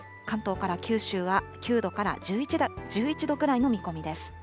関東から九州は、９度から１１度ぐらいの見込みです。